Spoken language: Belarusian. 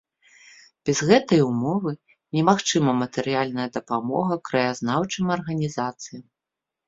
Без гэтай умовы немагчыма матэрыяльная дапамога краязнаўчым арганізацыям.